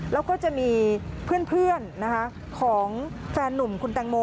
แล้วก็จะมีเพื่อนของแฟนหนุ่มคุณแตงโม